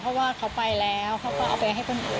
เพราะว่าเขาไปแล้วเขาก็เอาไปให้คนอื่น